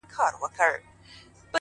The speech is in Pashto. سترگي يې توري ـپر مخ يې ښكل كړه ـ